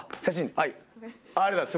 はい。